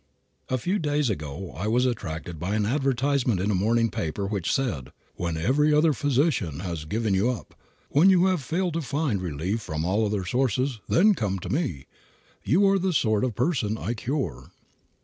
A few days ago I was attracted by an advertisement in a morning paper which said, "When every other physician has given you up; when you have failed to find relief from all other sources, then come to me. You are the sort of person I cure."